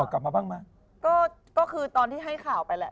ก็คือตอนที่ให้ข่าวไปแหละ